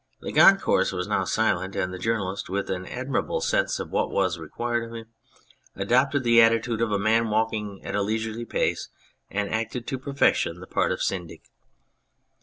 The concourse was now silent, and the journalist, with an admirable sense of what was required of him, adopted the attitude of a man walking at a leisurely pace, and acted to per fection the part of the Syndic.